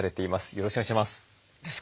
よろしくお願いします。